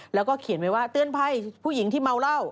แล้วก็เขียนไว้ว่าเตือนภัยผู้หญิงที่เมาเหล้า